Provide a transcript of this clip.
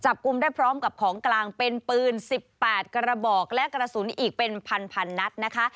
กุมได้พร้อมกับของกลางเป็นปืน๑๘กระบอกและกระสุนอีกเป็นพันนัดนะคะ